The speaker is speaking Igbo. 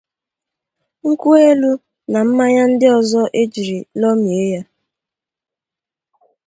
nkwụ elu na mmanya ndị ọzọ e jiri lomìé ya